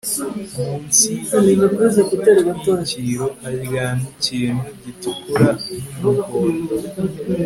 munsi yigitwikiro haryamye ikintu gitukura numuhondo